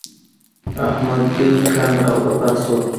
احمد دوی کنډ او کپر شول.